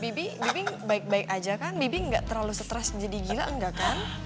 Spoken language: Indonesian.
bibi bibi baik baik aja kan bibi gak terlalu stres jadi gila enggak kan